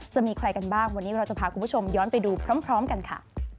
จะมีใครกันบ้างวันนี้เราจะพาคุณผู้ชมย้อนไปดูพร้อมกันค่ะ